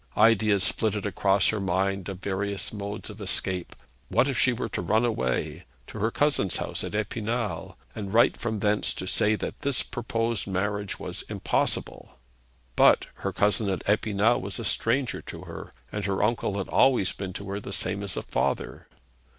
Ideas flitted across her mind of various modes of escape. What if she were to run away to her cousin's house at Epinal; and write from thence to say that this proposed marriage was impossible? But her cousin at Epinal was a stranger to her, and her uncle had always been to her the same as a father.